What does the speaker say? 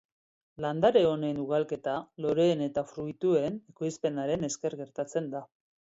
Landare honen ugalketa loreen eta fruituen ekoizpenaren esker gertatzen da.